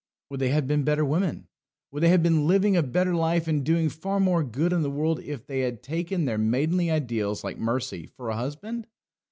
Would they have been better women, would they have been living a better life, and doing far more good in the world, if they had taken their maidenly ideals, like Mercy, for a husband?